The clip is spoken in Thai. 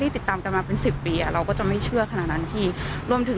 ติดตามกันมาเป็นสิบปีอ่ะเราก็จะไม่เชื่อขนาดนั้นพี่รวมถึง